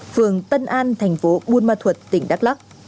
phường tân an thành phố buôn ma thuật tỉnh đắk lắc